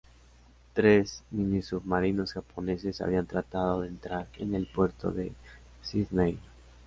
Tres minisubmarinos japoneses habían tratado de entrar en el puerto de Sídney.